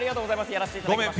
やらせていただきました。